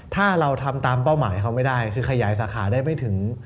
ถ้าเราทำตามเป้าหมายเขาไม่ได้คือขยายสาขาได้ไม่ถึง